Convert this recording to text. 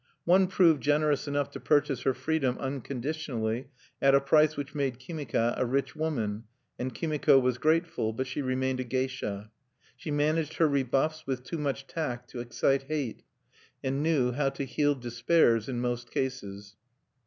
One proved generous enough to purchase her freedom unconditionally, at a price which made Kimika a rich woman; and Kimiko was grateful, but she remained a geisha. She managed her rebuffs with too much tact to excite hate, and knew how to heal despairs in most cases.